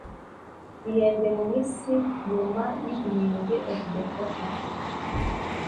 gihembwe mu minsi nyuma y igihembwe of the quarter